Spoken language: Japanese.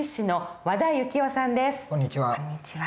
こんにちは。